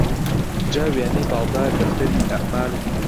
جا وێنەی باڵدار دەفتەری ئەعمال